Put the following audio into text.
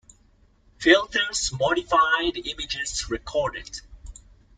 Filters modify the images recorded.